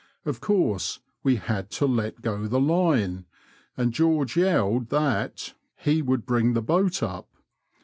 Of course we had to let go the line, and George yelled that *• he would bring the boat up."